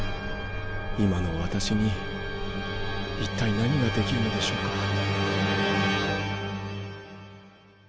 今の私に一体何ができるのでしょうか！？